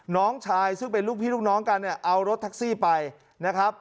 น้องชายซึ่งเป็นพี่ตอนน้องกันเอารถทักซี่ไปนะครับ